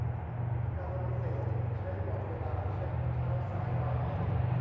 กาลวิเศษณ์ ใช้บอกเวลา เช่น เช้า สาย บ่าย เย็น